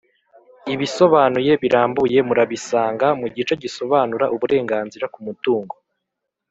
ibisobanuye birambuye murabisanga, mu gice gisobanura uburenganzira ku mutungo.